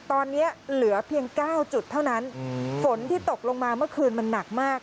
ตอนนี้เหลือเพียง๙จุดเท่านั้นฝนที่ตกลงมาเมื่อคืนมันหนักมาก